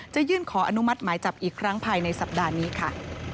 ยื่นขออนุมัติหมายจับอีกครั้งภายในสัปดาห์นี้ค่ะ